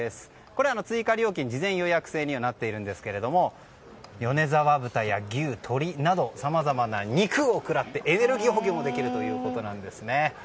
これ追加料金、事前予約制にはなっているんですけれども米沢豚や牛、鶏などさまざまな肉を食らってエネルギー補給もできるということなんです。